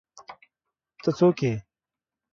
ته څوک ېې